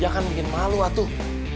dia kan bikin malu atuh